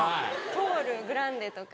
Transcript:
トールグランデとか。